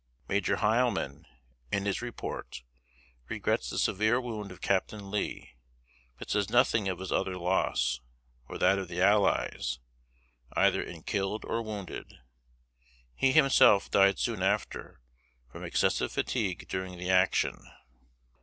Major Heilman, in his report, regrets the severe wound of Capt. Lee; but says nothing of his other loss, or that of the allies, either in killed or wounded. He himself died soon after, from excessive fatigue during the action.